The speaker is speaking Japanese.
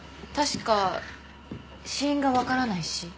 確か死因が分からない死。